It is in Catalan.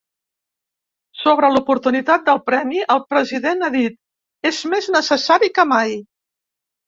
Sobre l’oportunitat del premi, el president ha dit: És més necessari que mai.